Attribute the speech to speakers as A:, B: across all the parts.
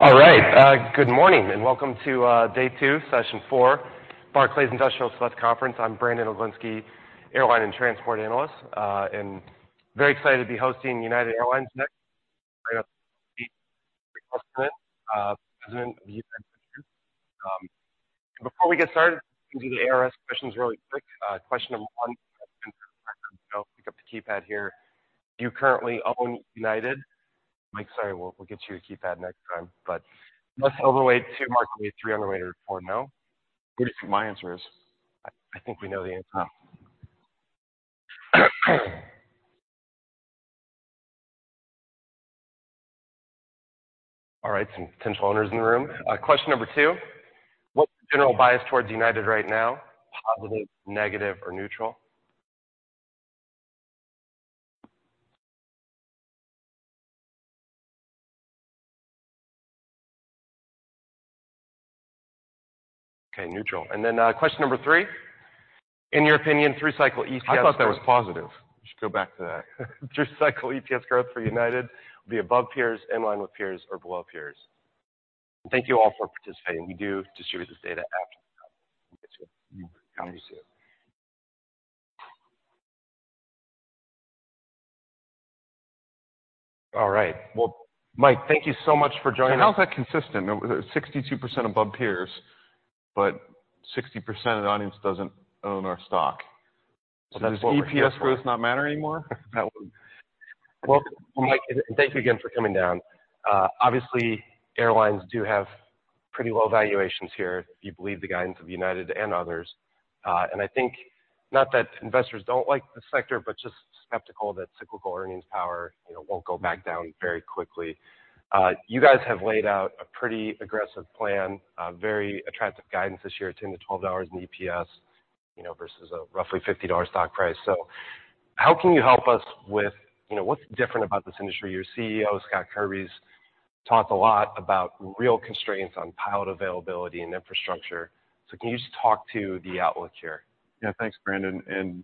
A: All right. Good morning and welcome to day two, session four, Barclays Industrial Select Conference. I'm Brandon Oglenski, Airline and Transport Analyst, and very excited to be hosting United Airlines next. Right off the President of United. Before we get started, do the ARS questions really quick. Question number one. Pick up the keypad here. Do you currently own United? Mike, sorry. We'll get you a keypad next time. Press overweight two, marketplace three, underweight four, no.
B: My answer is.
A: I think we know the answer.
B: Oh.
A: All right. Some potential owners in the room. Question number two. What's the general bias towards United right now? Positive, negative, or neutral? Okay. Neutral. Then, question number three. In your opinion, through cycle EPS.
B: I thought that was positive. We should go back to that.
A: Through cycle EPS growth for United will be above peers, in line with peers, or below peers? Thank you all for participating. We do distribute this data after the. All right. Well, Mike, thank you so much for joining us.
B: How is that consistent? There was 62% above peers, but 60% of the audience doesn't own our stock. Does EPS growth not matter anymore? Well, Mike, thank you again for coming down. Obviously airlines do have pretty low valuations here if you believe the guidance of United and others. I think not that investors don't like the sector, but just skeptical that cyclical earnings power, you know, won't go back down very quickly. You guys have laid out a pretty aggressive plan, very attractive guidance this year, $10-$12 in EPS, you know, versus a roughly $50 stock price. How can you help us, you know, what's different about this industry? Your CEO, Scott Kirby, has talked a lot about real constraints on pilot availability and infrastructure. Can you just talk to the outlook here?
C: Yeah. Thanks Brandon. You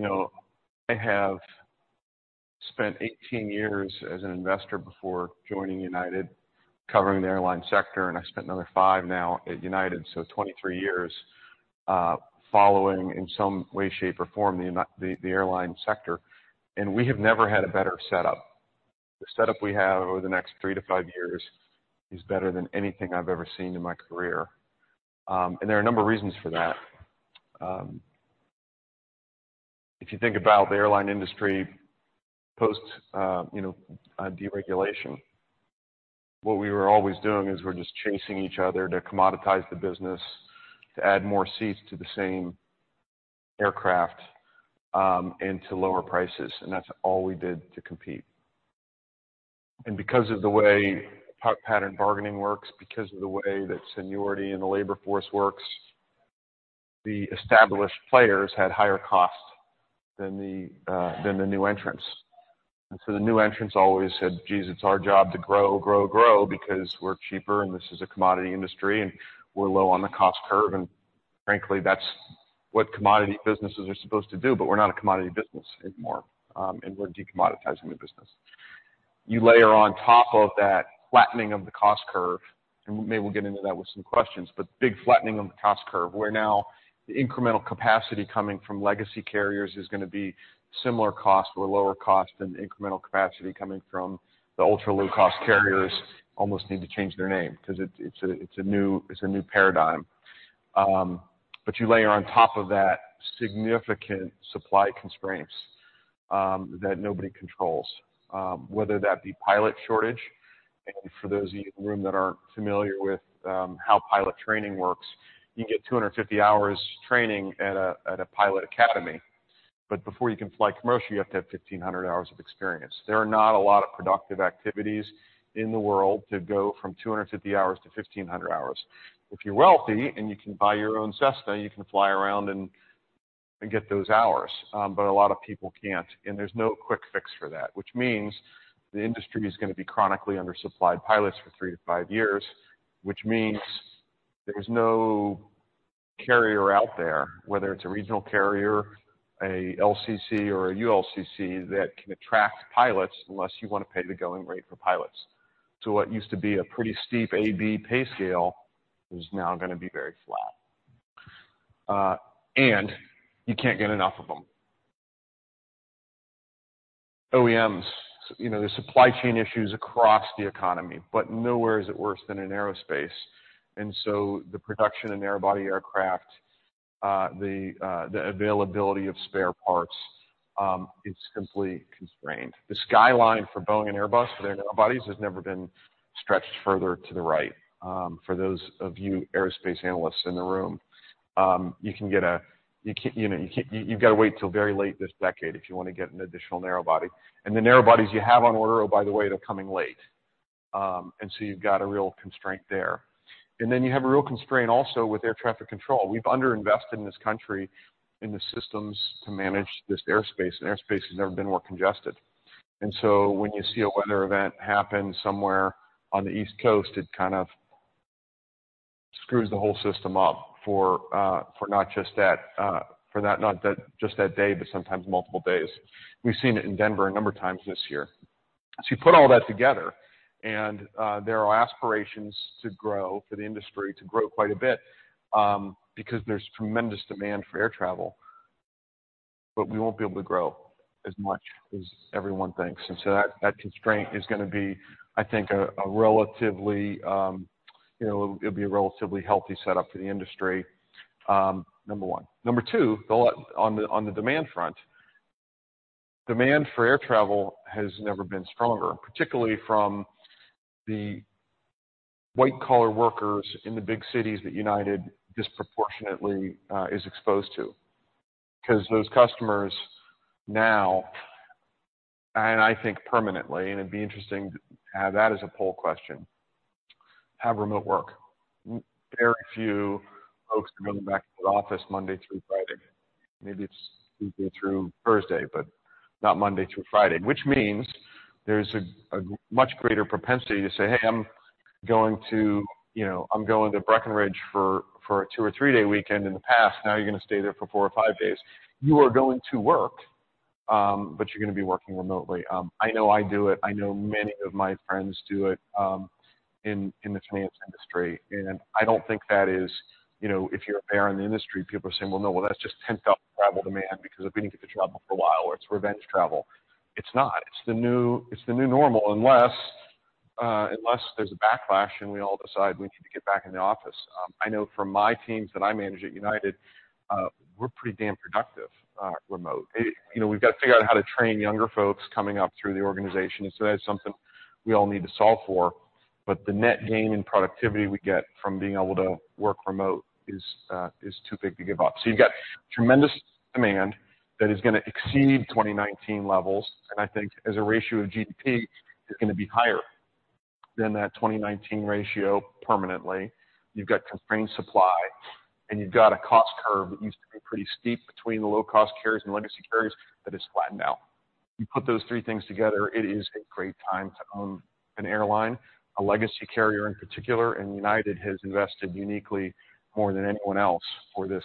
C: know, I have spent 18 years as an investor before joining United, covering the airline sector, and I spent another five now at United. 23 years following in some way, shape, or form the airline sector. We have never had a better setup. The setup we have over the next three to five years is better than anything I've ever seen in my career. There are a number of reasons for that. If you think about the airline industry post, you know, deregulation, what we were always doing is we're just chasing each other to commoditize the business, to add more seats to the same aircraft, and to lower prices. That's all we did to compete. Because of the way pattern bargaining works, because of the way that seniority in the labor force works, the established players had higher costs than the new entrants. The new entrants always said, "Geez, it's our job to grow, grow because we're cheaper and this is a commodity industry, and we're low on the cost curve." Frankly, that's what commodity businesses are supposed to do, but we're not a commodity business anymore. We're decommoditizing the business." You layer on top of that flattening of the cost curve, and maybe we'll get into that with some questions. Big flattening of the cost curve, where now the incremental capacity coming from legacy carriers is gonna be similar cost or lower cost than incremental capacity coming from the ultra-low-cost carriers. Almost need to change their name because it's a new paradigm. You layer on top of that significant supply constraints that nobody controls. Whether that be pilot shortage. For those of you in the room that aren't familiar with how pilot training works, you get 250 hours training at a pilot academy, but before you can fly commercially, you have to have 1,500 hours of experience. There are not a lot of productive activities in the world to go from 250 hours to 1,500 hours. If you're wealthy and you can buy your own Cessna, you can fly around and get those hours. A lot of people can't, and there's no quick fix for that. means the industry is gonna be chronically undersupplied pilots for three to five years, which means there's no carrier out there, whether it's a regional carrier, a LCC, or a ULCC, that can attract pilots unless you wanna pay the going rate for pilots. What used to be a pretty steep AB pay scale is now gonna be very flat. And you can't get enough of them. OEMs, you know, there's supply chain issues across the economy, but nowhere is it worse than in aerospace. The production in narrow-body aircraft, the availability of spare parts, is completely constrained. The skyline for Boeing and Airbus for their narrow-bodies has never been stretched further to the right, for those of you aerospace analysts in the room. You know, you've got to wait till very late this decade if you want to get an additional narrow-body. The narrow-bodies you have on order, oh, by the way, they're coming late. You've got a real constraint there. Then you have a real constraint also with air traffic control. We've under invested in this country in the systems to manage this airspace has never been more congested. When you see a weather event happen somewhere on the East Coast, it kind of screws the whole system up for not just that, for that not that just that day, but sometimes multiple days. We've seen it in Denver a number of times this year. You put all that together, and there are aspirations for the industry to grow quite a bit, because there's tremendous demand for air travel. We won't be able to grow as much as everyone thinks. That, that constraint is gonna be, I think, a relatively, you know, it'll be a relatively healthy setup for the industry, number one. Number two, on the demand front, demand for air travel has never been stronger, particularly from the white-collar workers in the big cities that United disproportionately is exposed to. 'Cause those customers now, and I think permanently, and it'd be interesting to have that as a poll question, have remote work. Very few folks are going back to the office Monday through Friday. Maybe it's Tuesday through Thursday, but not Monday through Friday. Which means there's a much greater propensity to say, "Hey, I'm going to, you know, I'm going to Breckenridge for a two or three-day weekend," in the past, now you're going to stay there for four or five days. You are going to work, but you're going to be working remotely. I know I do it. I know many of my friends do it in the finance industry. I don't think that is, you know, if you're a player in the industry, people are saying, "Well, no, well, that's just pent-up travel demand because we didn't get to travel for a while," or, "It's revenge travel." It's not. It's the new normal unless there's a backlash, we all decide we need to get back in the office. I know from my teams that I manage at United, we're pretty damn productive, remotely. You know, we've gotta figure out how to train younger folks coming up through the organization, and so that is something we all need to solve for, but the net gain in productivity we get from being able to work remote is too big to give up. You've got tremendous demand that is gonna exceed 2019 levels, and I think as a ratio of GDP is gonna be higher than that 2019 ratio permanently. You've got constrained supply, and you've got a cost curve that used to be pretty steep between the low-cost carriers and legacy carriers that has flattened out. You put those three things together, it is a great time to own an airline, a legacy carrier in particular. United has invested uniquely more than anyone else for this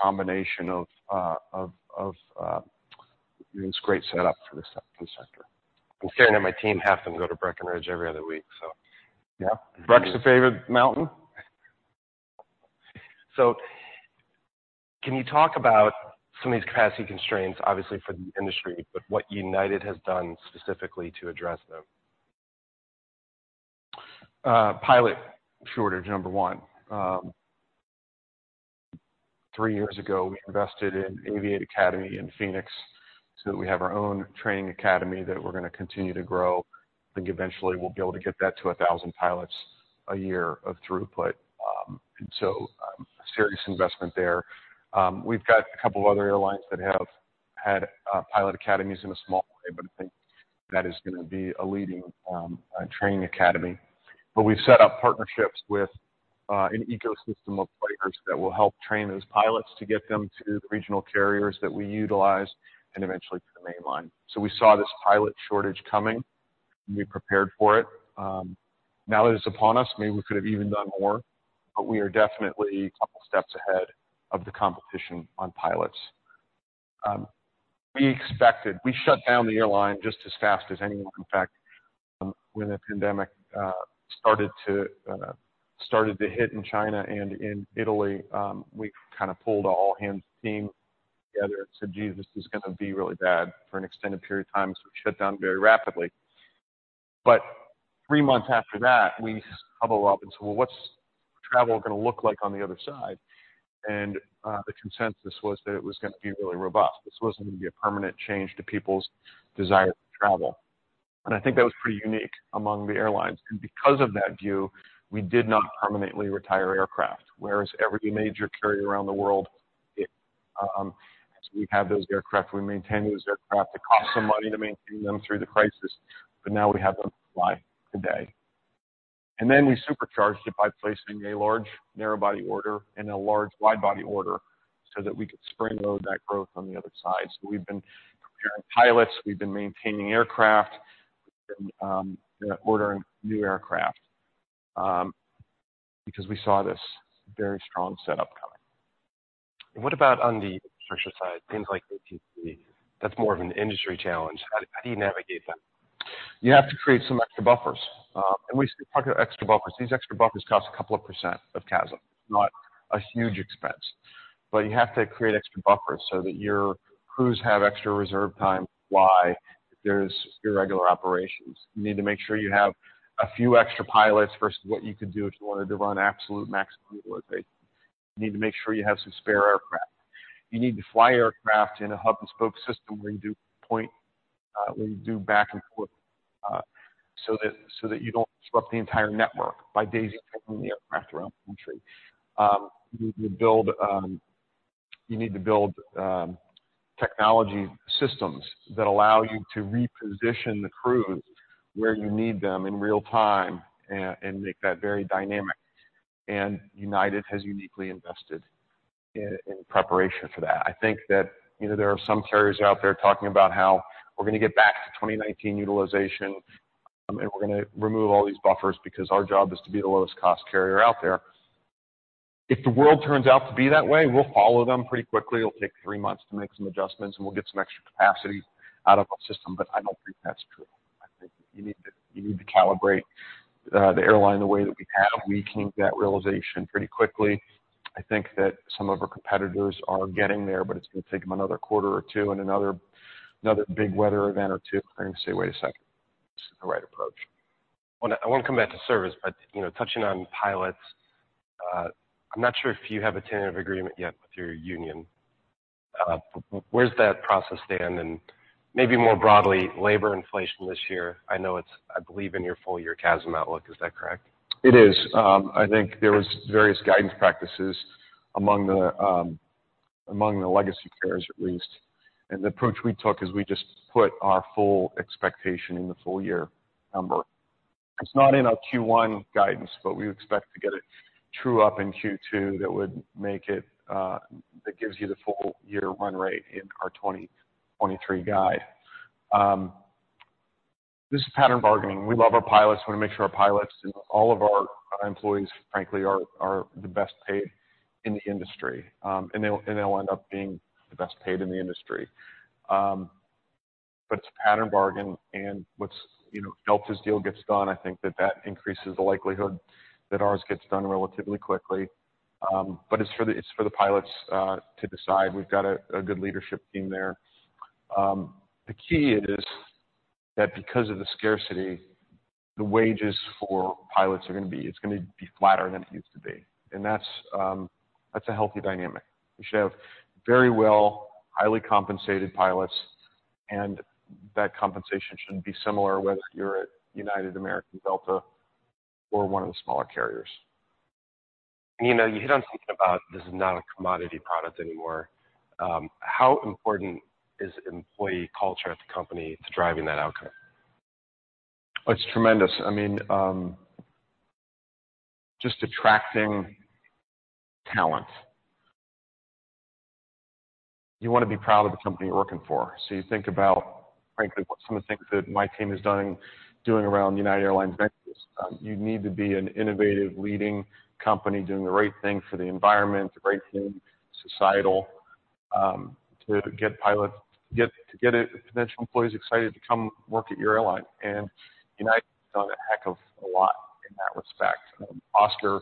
C: combination. It's a great setup for the sector. I'm staring at my team, half of them go to Breckenridge every other week, so.
A: Yeah. Breck's your favorite mountain? Can you talk about some of these capacity constraints, obviously for the industry, but what United has done specifically to address them?
B: Pilot shortage, number one. Three years ago, we invested in Aviate Academy in Phoenix so that we have our own training academy that we're going to continue to grow. I think eventually we'll be able to get that to 1,000 pilots a year of throughput. A serious investment there. We've got a couple of other airlines that have had pilot academies in a small way, but I think that is going to be a leading training academy. We've set up partnerships with an ecosystem of players that will help train those pilots to get them to the regional carriers that we utilize and eventually to the mainline. We saw this pilot shortage coming, and we prepared for it. Now that it's upon us, maybe we could have even done more, but we are definitely a couple steps ahead of the competition on pilots. We shut down the airline just as fast as anyone. In fact, when the pandemic started to hit in China and in Italy, we kind of pulled an all-hands team together and said, "Geez, this is gonna be really bad for an extended period of time." We shut down very rapidly. Three months after that, we huddled up and said, "Well, what's travel gonna look like on the other side?" The consensus was that it was gonna be really robust. This wasn't gonna be a permanent change to people's desire to travel. I think that was pretty unique among the airlines. Because of that view, we did not permanently retire aircraft, whereas every major carrier around the world did. We have those aircraft. We maintained those aircraft. It cost some money to maintain them through the crisis, but now we have them to fly today. We supercharged it by placing a large narrow-body order and a large wide-body order so that we could spring load that growth on the other side. We've been preparing pilots, we've been maintaining aircraft, we've been, you know, ordering new aircraft because we saw this very strong setup coming.
A: What about on the infrastructure side, things like ATP? That's more of an industry challenge. How do you navigate that?
B: You have to create some extra buffers. We talk about extra buffers. These extra buffers cost a couple of % of CASM, not a huge expense. You have to create extra buffers so that your crews have extra reserve time to fly if there's irregular operations. You need to make sure you have a few extra pilots versus what you could do if you wanted to run absolute maximum utilization. You need to make sure you have some spare aircraft. You need to fly aircraft in a hub-and-spoke system where you do point, where you do back and forth, so that you don't disrupt the entire network by daisy-chaining the aircraft around the country. You build, you need to build, technology systems that allow you to reposition the crews where you need them in real time and make that very dynamic. United has uniquely invested in preparation for that. I think that, you know, there are some carriers out there talking about how we're gonna get back to 2019 utilization, and we're gonna remove all these buffers because our job is to be the lowest cost carrier out there. If the world turns out to be that way, we'll follow them pretty quickly. It'll take three months to make some adjustments, and we'll get some extra capacity out of our system. I don't think that's true. I think you need to calibrate the airline the way that we have. We came to that realization pretty quickly. I think that some of our competitors are getting there, but it's gonna take them another quarter or two and another big weather event or two for them to say, "Wait a second. This is the right approach."
A: I wanna come back to service. You know, touching on pilots, I'm not sure if you have a tentative agreement yet with your union. Where's that process stand? Maybe more broadly, labor inflation this year, I know it's, I believe, in your full year CASM outlook. Is that correct?
B: It is. I think there was various guidance practices among the among the legacy carriers at least. The approach we took is we just put our full expectation in the full year number. It's not in our Q1 guidance, but we expect to get it true up in Q2. That would make it, that gives you the full year run rate in our 2023 guide. This is pattern bargaining. We love our pilots. We wanna make sure our pilots and all of our employees, frankly, are the best paid in the industry. And they'll end up being the best paid in the industry. It's a pattern bargain. Once, you know, Delta's deal gets done, I think that increases the likelihood that ours gets done relatively quickly. It's for the pilots to decide. We've got a good leadership team there. The key is that because of the scarcity, the wages for pilots are gonna be flatter than it used to be. That's a healthy dynamic. We should have very well, highly compensated pilots, and that compensation should be similar whether you're at United, American, Delta, or one of the smaller carriers.
A: You know, you hit on something about this is not a commodity product anymore. How important is employee culture at the company to driving that outcome?
B: It's tremendous. I mean, just attracting talent. You wanna be proud of the company you're working for, so you think about, frankly, what some of the things that my team has done, doing around United Airlines Ventures. You need to be an innovative leading company doing the right thing for the environment, the right thing societal, to get potential employees excited to come work at your airline. United has done a heck of a lot in that respect. Oscar,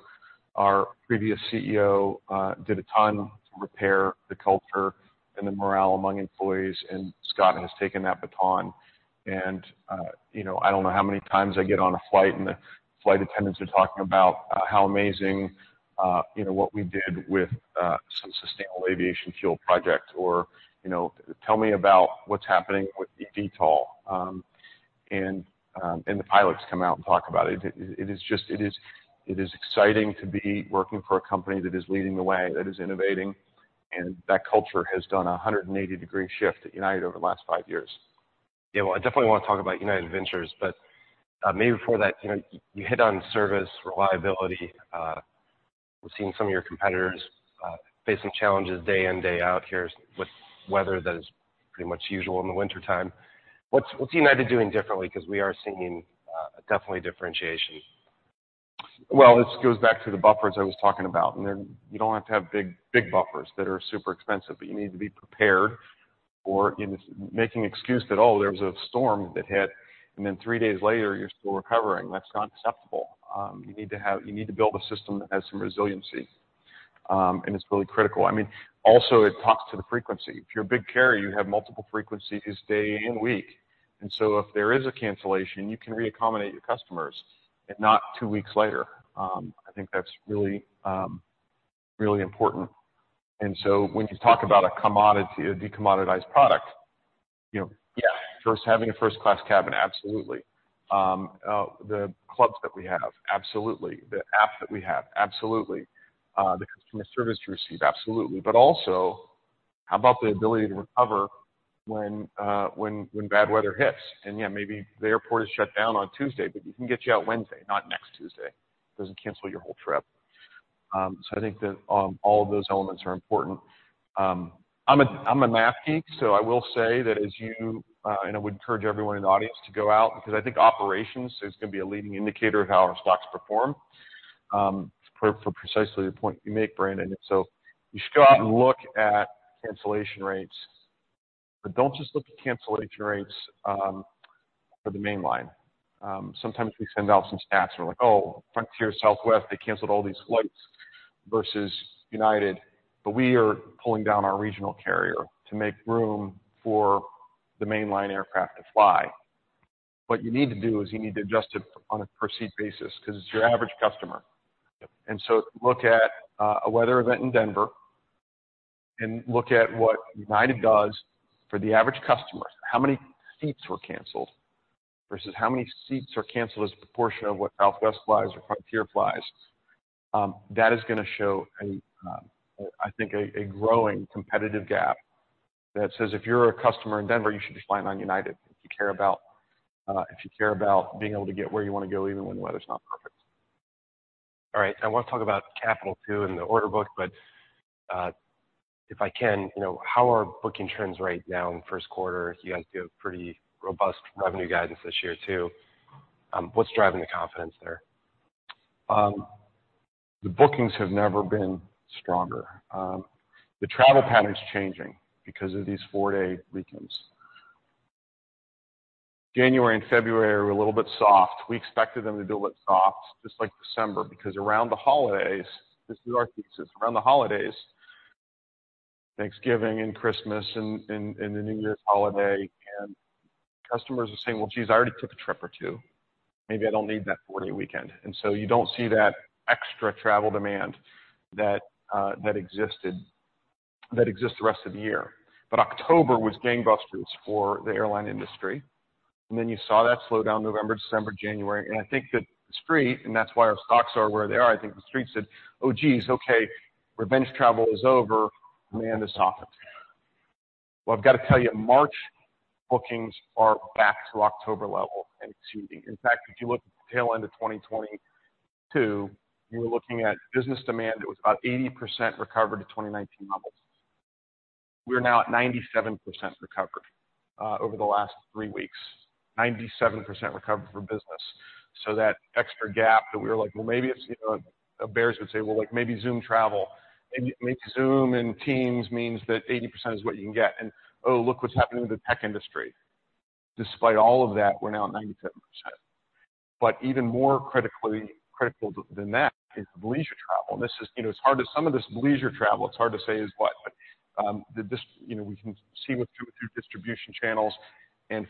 B: our previous CEO, did a ton to repair the culture and the morale among employees, and Scott has taken that baton. You know, I don't know how many times I get on a flight, and the flight attendants are talking about how amazing, you know, what we did with some sustainable aviation fuel project or, you know, tell me about what's happening with eVTOL. The pilots come out and talk about it. It is just, it is exciting to be working for a company that is leading the way, that is innovating, and that culture has done a 180-degree shift at United over the last five years.
A: Yeah. Well, I definitely wanna talk about United Ventures. Maybe before that, you know, you hit on service reliability. We've seen some of your competitors facing challenges day in, day out here with weather that is pretty much usual in the wintertime. What's United doing differently? 'Cause we are seeing definitely differentiation.
B: Well, this goes back to the buffers I was talking about. You don't have to have big buffers that are super expensive, but you need to be prepared or making excuse that, oh, there was a storm that hit, and then three days later you're still recovering. That's not acceptable. You need to build a system that has some resiliency. It's really critical. I mean, also it talks to the frequency. If you're a big carrier, you have multiple frequencies day and week, and so if there is a cancellation, you can reaccommodate your customers and not two weeks later. I think that's really important. When you talk about a decommoditized product, you know, yeah, first having a first-class cabin. Absolutely. The clubs that we have. Absolutely. The app that we have. Absolutely. The customer service you receive. Absolutely. Also, how about the ability to recover when bad weather hits? Yeah, maybe the airport is shut down on Tuesday, but we can get you out Wednesday, not next Tuesday. Doesn't cancel your whole trip. I think that all of those elements are important. I'm a, I'm a math geek, so I will say that as you, and I would encourage everyone in the audience to go out because I think operations is gonna be a leading indicator of how our stocks perform, for precisely the point you make, Brandon. You should go out and look at cancellation rates. Don't just look at cancellation rates for the mainline. Sometimes we send out some stats and we're like, "Oh, Frontier, Southwest, they canceled all these flights versus United," but we are pulling down our regional carrier to make room for the mainline aircraft to fly. What you need to do is you need to adjust it on a per seat basis 'cause it's your average customer. Look at a weather event in Denver and look at what United does for the average customer. How many seats were canceled versus how many seats are canceled as a proportion of what Southwest flies or Frontier flies. That is gonna show a, I think a growing competitive gap that says if you're a customer in Denver, you should be flying on United. If you care about, if you care about being able to get where you wanna go, even when the weather's not perfect.
A: All right, I wanna talk about capital too, and the order book. If I can, you know, how are booking trends right now in the first quarter? You guys give pretty robust revenue guidance this year too. What's driving the confidence there?
B: The bookings have never been stronger. The travel pattern is changing because of these four-day weekends. January and February were a little bit soft. We expected them to be a little bit soft, just like December, because around the holidays, this is our thesis. Around the holidays, Thanksgiving and Christmas and the New Year's holiday, customers are saying, "Well, geez, I already took a trip or two. Maybe I don't need that four-day weekend." You don't see that extra travel demand that exists the rest of the year. October was gangbusters for the airline industry. You saw that slow down November, December, January. I think that the Street, and that's why our stocks are where they are. I think the Street said, "Oh, geez, okay, revenge travel is over. Man, this softens." I've gotta tell you, March bookings are back to October level and exceeding. In fact, if you look at the tail end of 2022, you were looking at business demand that was about 80% recovered to 2019 levels. We're now at 97% recovery over the last three weeks. 97% recovery for business. That extra gap that we were like, "Well, maybe it's." You know, bears would say, "Well, like, maybe Zoom travel. Maybe Zoom and Teams means that 80% is what you can get." Oh, look what's happening to the tech industry. Despite all of that, we're now at 97%. Even more critical than that is the leisure travel. You know, some of this leisure travel, it's hard to say is what. This, you know, we can see through distribution channels.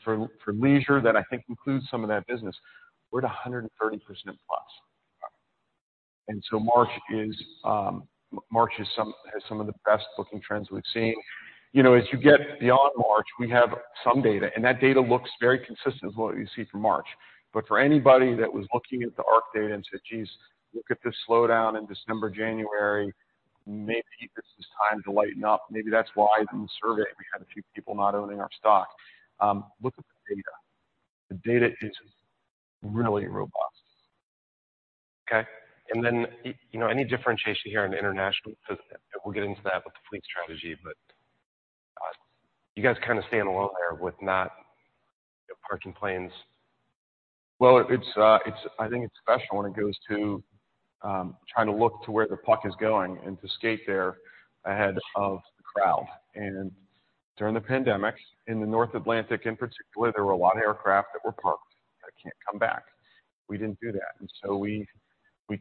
B: For leisure, that I think includes some of that business, we're at 130%+. March has some of the best-looking trends we've seen. You know, as you get beyond March, we have some data, and that data looks very consistent with what you see for March. For anybody that was looking at the ARC data and said, "Geez, look at this slowdown in December, January. Maybe this is time to lighten up." Maybe that's why in the survey we had a few people not owning our stock. Look at the data. The data is really robust.
A: Okay. You know, any differentiation here on the international? We'll get into that with the fleet strategy. You guys kinda staying alone there with not parking planes.
B: Well, it's I think it's special when it goes to trying to look to where the puck is going and to skate there ahead of the crowd. During the pandemic, in the North Atlantic in particular, there were a lot of aircraft that were parked that can't come back. We didn't do that. We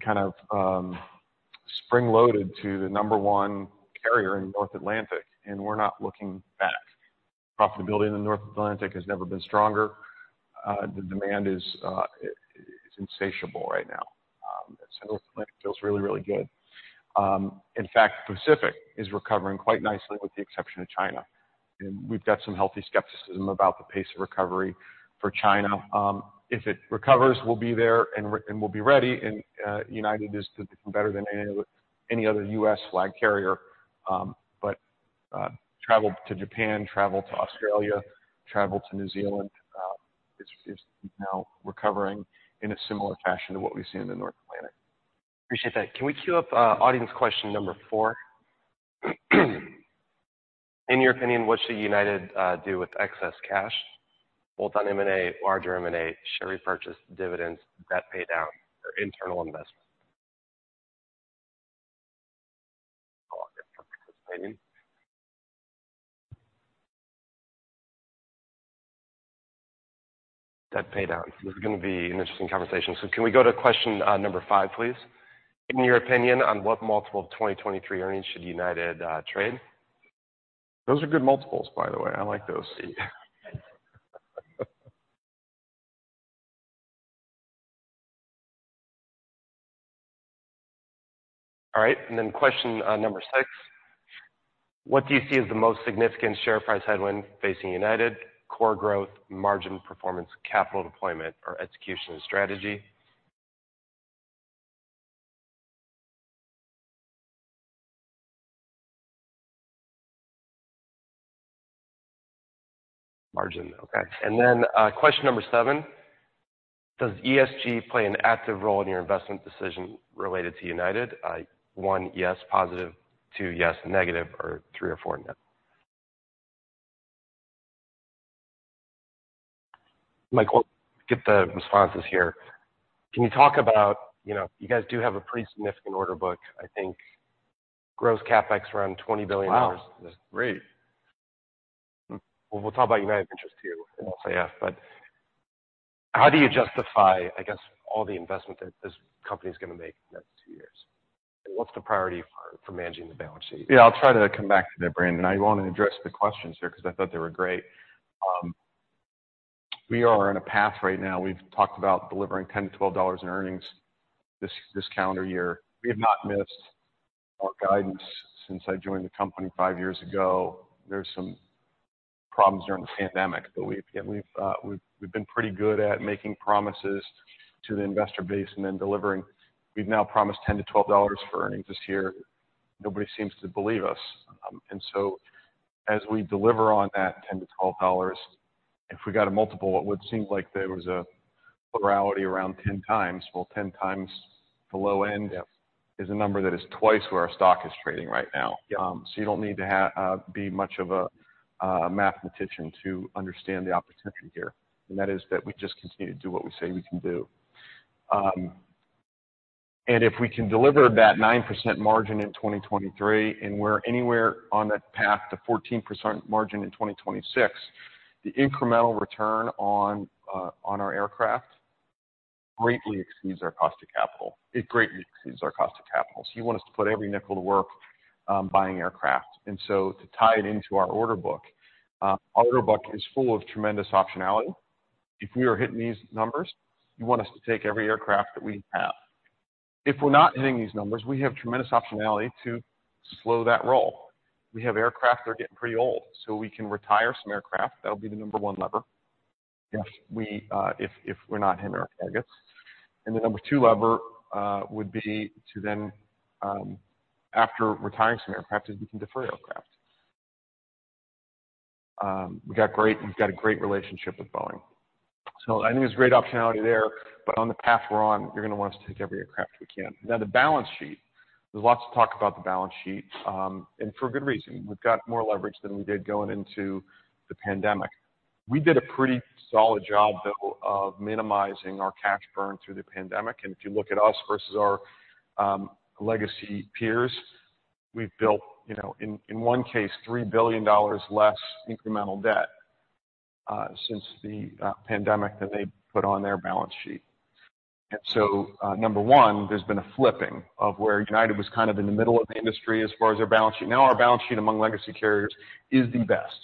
B: kind of spring-loaded to the number one carrier in the North Atlantic, and we're not looking back. Profitability in the North Atlantic has never been stronger. The demand is insatiable right now. North Atlantic feels really, really good. In fact, Pacific is recovering quite nicely with the exception of China. We've got some healthy skepticism about the pace of recovery for China. If it recovers, we'll be there and we'll be ready. United is positioned better than any other U.S. flag carrier. Travel to Japan, travel to Australia, travel to New Zealand, is now recovering in a similar fashion to what we've seen in the North Atlantic.
A: Appreciate that. Can we queue up audience question number four? In your opinion, what should United do with excess cash, both on M&A, larger M&A, share repurchase dividends, debt pay down, or internal investment?
B: Participating.
A: Debt pay down. This is gonna be an interesting conversation. Can we go to question number five, please? In your opinion, on what multiple of 2023 earnings should United trade?
B: Those are good multiples, by the way. I like those.
A: All right. Question six. What do you see as the most significant share price headwind facing United? Core growth, margin performance, capital deployment, or execution and strategy? Margin. Okay. Question seven. Does ESG play an active role in your investment decision related to United? One, yes, positive. Two, yes, negative, or Three or Four, no. Michael, get the responses here. Can you talk about. You know, you guys do have a pretty significant order book. I think gross CapEx around $20 billion.
B: Wow, great.
A: We'll talk about United Ventures too in SAS. How do you justify, I guess, all the investment that this company is gonna make in the next two years? What's the priority for managing the balance sheet?
B: I'll try to come back to that, Brandon. I wanna address the questions here because I thought they were great. We are on a path right now. We've talked about delivering $10-$12 in earnings this calendar year. We have not missed our guidance since I joined the company five years ago. There's some problems during the pandemic. We've been pretty good at making promises to the investor base and then delivering. We've now promised $10-$12 for earnings this year. Nobody seems to believe us. As we deliver on that $10-$12, if we got a multiple, it would seem like there was a plurality around 10 times. Well, 10 times the low end-
A: Yeah.
B: is a number that is twice where our stock is trading right now.
A: Yeah.
B: You don't need to be much of a mathematician to understand the opportunity here, and that is that we just continue to do what we say we can do. If we can deliver that 9% margin in 2023, and we're anywhere on that path to 14% margin in 2026, the incremental return on our aircraft greatly exceeds our cost of capital. It greatly exceeds our cost of capital. You want us to put every nickel to work, buying aircraft. To tie it into our order book, our order book is full of tremendous optionality. If we are hitting these numbers, you want us to take every aircraft that we have. If we're not hitting these numbers, we have tremendous optionality to slow that roll. We have aircraft that are getting pretty old, we can retire some aircraft. That'll be the number one lever.
A: Yes.
B: If we're not hitting our targets. The number two lever would be to then, after retiring some aircraft, is we can defer aircraft. We've got a great relationship with Boeing. I think there's great optionality there. On the path we're on, you're gonna want us to take every aircraft we can. Now, the balance sheet, there's lots of talk about the balance sheet, and for good reason. We've got more leverage than we did going into the pandemic. We did a pretty solid job, though, of minimizing our cash burn through the pandemic. If you look at us versus our legacy peers, we've built, you know, in one case, $3 billion less incremental debt since the pandemic than they put on their balance sheet. Number one, there's been a flipping of where United was kind of in the middle of the industry as far as their balance sheet. Now our balance sheet among legacy carriers is the best.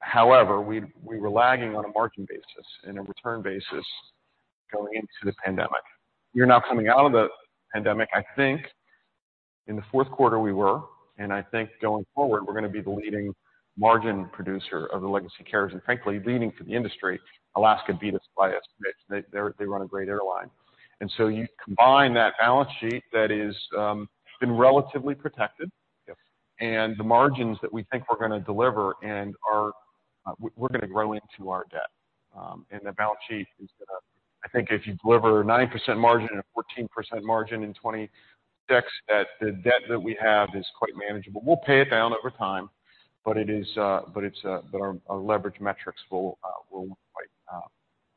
B: However, we were lagging on a margin basis and a return basis going into the pandemic. You're now coming out of the pandemic. I think in the fourth quarter we were, and I think going forward, we're going to be the leading margin producer of the legacy carriers and frankly leading for the industry. Alaska beat us by a smidge. They run a great airline. You combine that balance sheet that is been relatively protected.
A: Yes.
B: The margins that we think we're gonna deliver we're gonna grow into our debt. The balance sheet is gonna, I think if you deliver a 9% margin and a 14% margin in 2026, that the debt that we have is quite manageable. We'll pay it down over time, but it is, but it's, but our leverage metrics will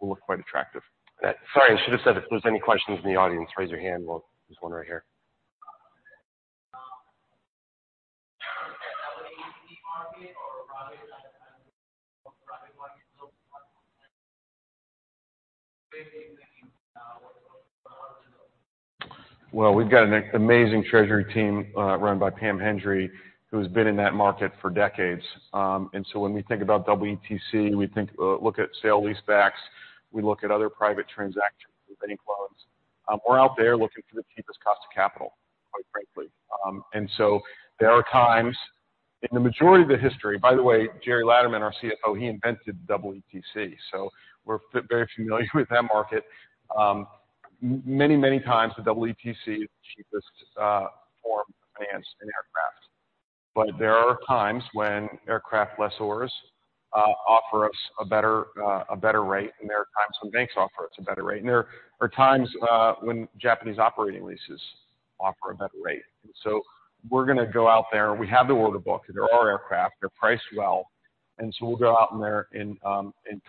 B: look quite attractive.
A: Sorry, I should have said if there's any questions in the audience, raise your hand. There's one right here.
B: We've got an amazing treasury team, run by Pam Hendry, who's been in that market for decades. When we think about EETC, we think, look at sale leasebacks, we look at other private transactions with any loans. We're out there looking for the cheapest cost of capital, quite frankly. There are times in the majority of the history. By the way, Gerry Laderman, our CFO, he invented EETC, so we're very familiar with that market. Many times the EETC is the cheapest form of finance in aircraft. There are times when aircraft lessors offer us a better, a better rate, and there are times when banks offer us a better rate. There are times when Japanese operating leases offer a better rate. We're gonna go out there. We have the order book. There are aircraft. They're priced well. We'll go out in there and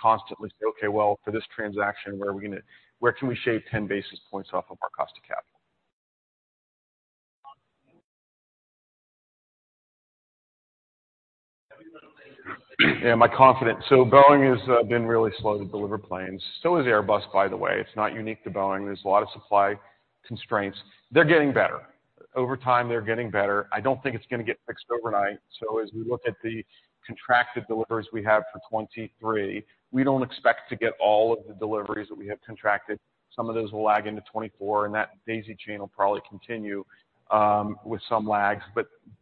B: constantly say, "Okay, well, for this transaction, where can we shave 10 basis points off of our cost of capital?" Am I confident? Boeing has been really slow to deliver planes. Has Airbus, by the way. It's not unique to Boeing. There's a lot of supply constraints. They're getting better. Over time, they're getting better. I don't think it's gonna get fixed overnight. As we look at the contracted deliveries we have for 23, we don't expect to get all of the deliveries that we have contracted. Some of those will lag into 24, and that daisy chain will probably continue with some lags.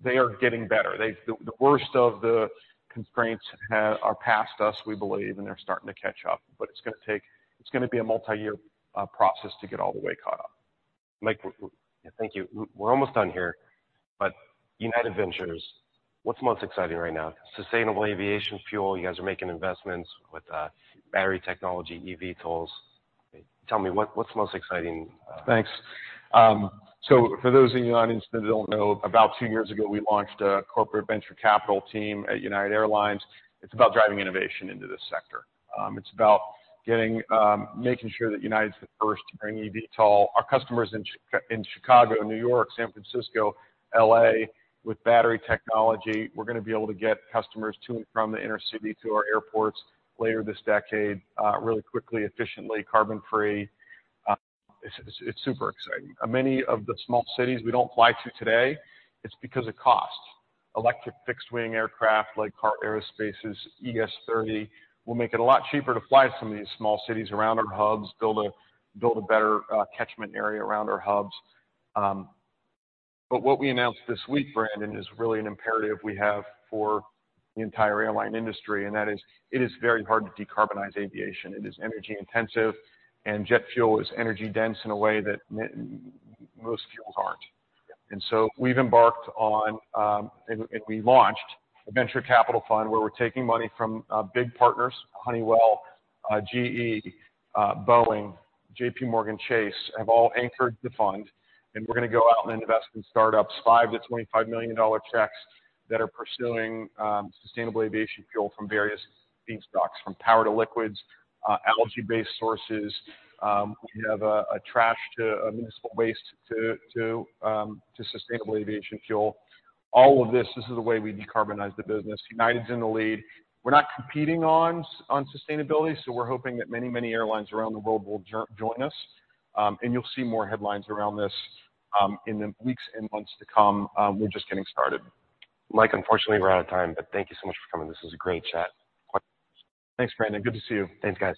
B: They are getting better. The worst of the constraints are past us, we believe, and they're starting to catch up. It's gonna be a multi-year process to get all the way caught up.
A: Mike. Thank you. We're almost done here, United Ventures, what's most exciting right now? sustainable aviation fuel. You guys are making investments with, battery technology, eVTOLs. Tell me what's most exciting?
B: Thanks. For those of you on Instagram that don't know, about two years ago, we launched a corporate venture capital team at United Airlines. It's about driving innovation into this sector. It's about getting, making sure that United is the first to bring eVTOL. Our customers in Chicago, New York, San Francisco, L.A., with battery technology, we're gonna be able to get customers to and from the inner city to our airports later this decade, really quickly, efficiently, carbon-free. It's super exciting. Many of the small cities we don't fly to today, it's because of cost. Electric fixed-wing aircraft like Heart Aerospace's ES-30 will make it a lot cheaper to fly some of these small cities around our hubs, build a better catchment area around our hubs. What we announced this week, Brandon, is really an imperative we have for the entire airline industry, and that is it is very hard to decarbonize aviation. It is energy-intensive, and jet fuel is energy-dense in a way that most fuels aren't.
A: Yeah.
B: We've embarked on, and we launched a venture capital fund where we're taking money from big partners, Honeywell, GE, Boeing, JPMorgan Chase, have all anchored the fund. We're gonna go out and invest in startups, $5 million-$25 million checks that are pursuing sustainable aviation fuel from various feedstocks, from Power-to-Liquids, algae-based sources. We have a municipal waste to sustainable aviation fuel. All of this is the way we decarbonize the business. United's in the lead. We're not competing on sustainability, we're hoping that many, many airlines around the world will join us. You'll see more headlines around this in the weeks and months to come. We're just getting started.
A: Mike, unfortunately, we're out of time, but thank you so much for coming. This was a great chat.
B: Thanks, Brandon. Good to see you.
A: Thanks, guys.